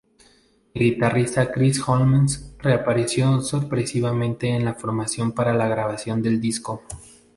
El guitarrista Chris Holmes reapareció sorpresivamente en la formación para la grabación del disco.